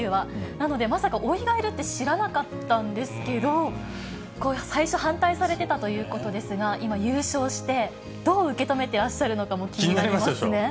なので、まさかおいがいるって知らなかったんですけど、最初反対されてたということですが、今、優勝して、どう受け止めてらっしゃるのかも気になりません？